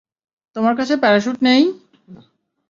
তোমার কাছে প্যারাশ্যুট নেই?